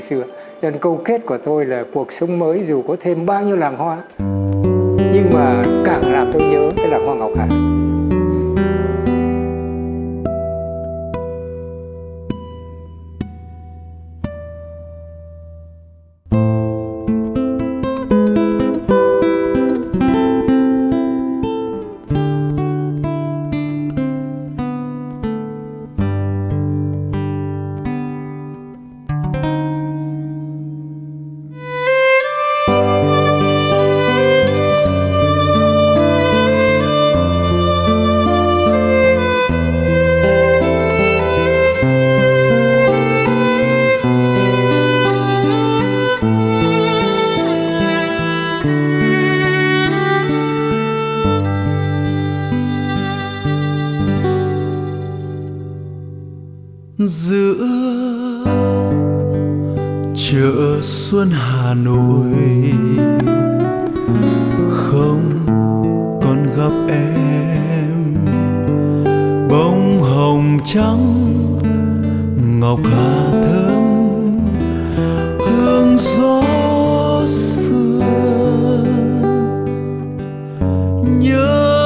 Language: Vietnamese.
xưa câu kết của tôi là cuộc sống mới dù có thêm bao nhiêu làng hoa nhưng mà càng làm tôi nhớ cái làng hoa ngọc hà